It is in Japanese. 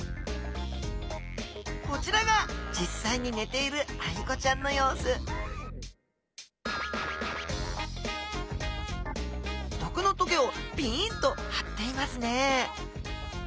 こちらが実際に寝ているアイゴちゃんの様子毒の棘をピンと張っていますね